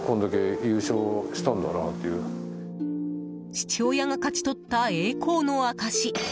父親が勝ち取った栄光の証し。